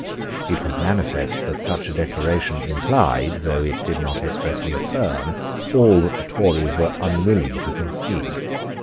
It was manifest that such a declaration implied, though it did not expressly affirm, all that the Tories were unwilling to concede.